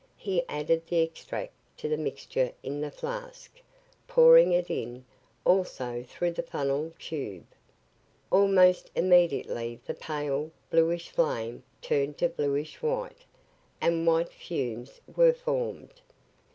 He added the extract to the mixture in the flask, pouring it in, also through the funnel tube. Almost immediately the pale, bluish flame turned to bluish white, and white fumes were formed.